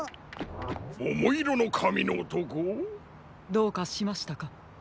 どうかしましたか？